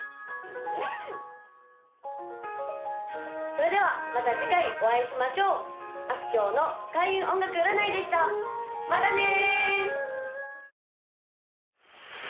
それではまた次回お会いしましょうあすきょうの開運音楽占いでしたまたね！